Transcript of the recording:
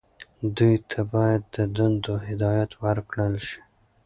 دوی ته باید د دندو هدایت ورکړل شي.